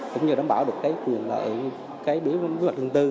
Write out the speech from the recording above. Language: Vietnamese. cũng như đảm bảo được cái quyền lợi cái biến mức lực lượng tư